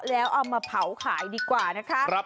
แล้วเอามาเผาขายดีกว่านะคะ